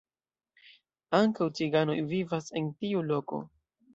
Ankaŭ ciganoj vivas en tiu loko.